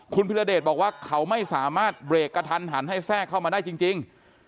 คุณพิรเดชบอกว่าเขาไม่สามารถเบรกกระทันหันให้แทรกเข้ามาได้จริง